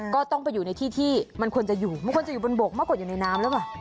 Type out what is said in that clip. ก็ต้องไปอยู่ในที่ที่มันควรจะอยู่มันควรจะอยู่บนบกมากกว่าอยู่ในน้ำหรือเปล่า